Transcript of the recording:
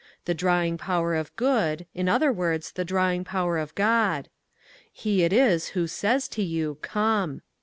The drawing power of good in other words, the drawing power of God. He it is who says to you, "Come."